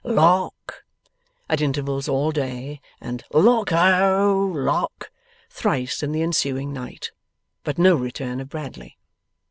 Lock!' at intervals all day, and 'Lock ho! Lock!' thrice in the ensuing night, but no return of Bradley.